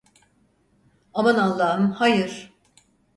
Aman Allahım, hayır!